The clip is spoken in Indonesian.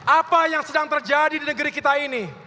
apa yang sedang terjadi di negeri kita ini